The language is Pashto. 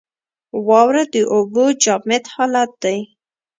واوره د اوبو جامد حالت دی.